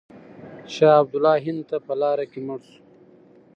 شاه عبدالله هند ته په لاره کې مړ شو.